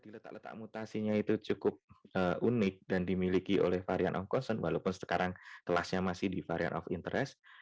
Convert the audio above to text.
letak letak mutasinya itu cukup unik dan dimiliki oleh varian of concern walaupun sekarang kelasnya masih di varian of interest